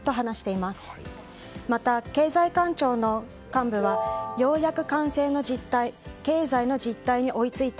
また、経済官庁の幹部はようやく感染の実態経済の実態に追いついた。